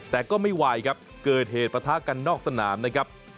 แต่ก็ไม่ไหวครับเกิดเหตุประทะกันนอกสนามนะครับ